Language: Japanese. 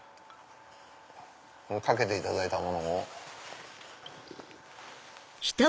かけていただいたものを。